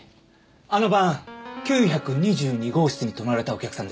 あの晩９２２号室に泊まられたお客さんです。